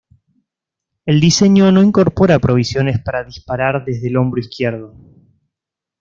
El diseño no incorpora provisiones para disparar desde el hombro izquierdo.